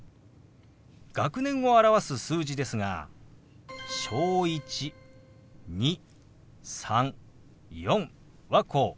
学年を表す数字ですが「小１」「２」「３」「４」はこう。